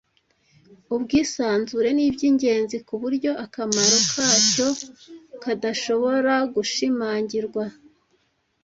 Ubwisanzure nibyingenzi kuburyo akamaro kacyo kadashobora gushimangirwa.